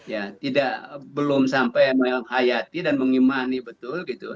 ya belum sampai menghayati dan mengimani betul gitu